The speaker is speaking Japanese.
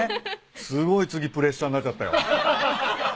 すごい次プレッシャーになっちゃったよ。